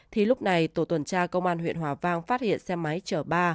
thì lúc này tổ tuần tra công an huyện hòa vang phát hiện xe máy chở ba